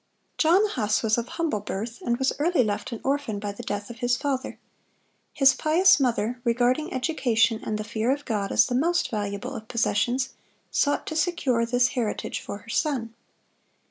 John Huss was of humble birth, and was early left an orphan by the death of his father. His pious mother, regarding education and the fear of God as the most valuable of possessions, sought to secure this heritage for her son.